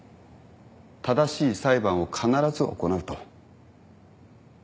正しい裁判を必ず行うと。